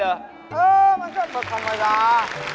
เออมันก็เป็นธรรมดา